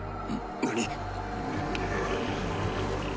何！